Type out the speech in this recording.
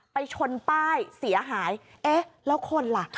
ไปชนป้ายเสียหายเอ๊ะแล้วคนล่ะ